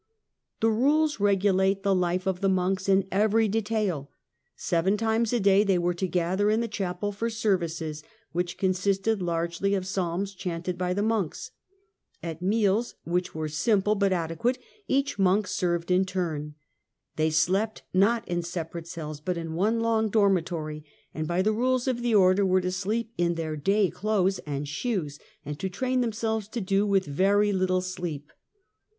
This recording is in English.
The rules regulate the life of the monks in every de tail. Seven times a day they were to gather in the jhapel for services, which consisted largely of Psalms jhanted by the monks. At meals, which were simple, 70 THE DAWN OF MEDIAEVAL EUROPE but adequate, each monk served in turn. They slept, not in separate cells, but in one long dormitory, and by the rules of the order were to sleep in their day clothes and shoes, and to train themselves to do with very little sleep.